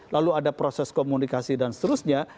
lalu ada proses komunikasi dan seterusnya